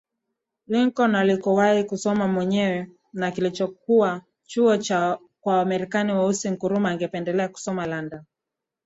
Lincoln alikowahi kusoma mwenyewe na kilichokuwa chuo kwa Waamerika Weusi Nkrumah angependelea kusoma London